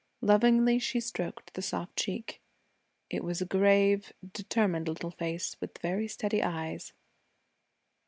Lovingly she stroked the soft cheek. It was a grave, determined little face with very steady eyes.